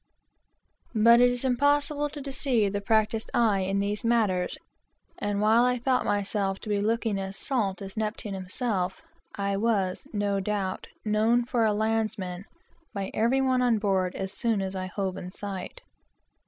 But it is impossible to deceive the practised eye in these matters; and while I supposed myself to be looking as salt as Neptune himself, I was, no doubt, known for a landsman by every one on board as soon as I hove in sight.